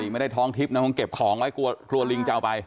ไม่ได้ท้องทิพย์นะคงเก็บของไว้กลัวลิงจะเอาไป